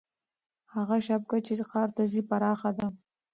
هغه شبکه چې ښار ته ځي پراخه ده.